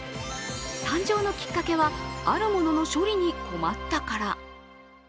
誕生のきっかけは、あるものの処理に困ったから。